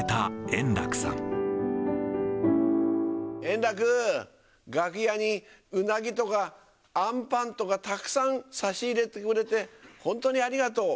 円楽ー、楽屋にうなぎとか、あんパンとかたくさん差し入れてくれて、本当にありがとう。